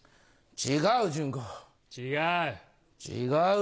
違う。